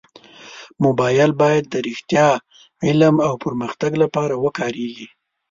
موبایل باید د رښتیا، علم او پرمختګ لپاره وکارېږي.